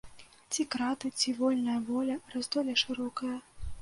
Ці краты, ці вольная воля, раздолле шырокае.